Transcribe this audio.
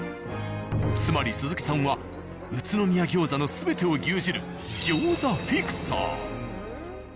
つまり鈴木さんは宇都宮餃子の全てを牛耳る餃子フィクサー。